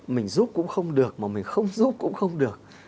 mình giúp cũng không được mà mình không giúp cũng không được